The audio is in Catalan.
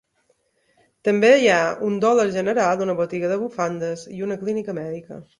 També hi ha un Dollar General, una botiga de bufandes i una clínica mèdica.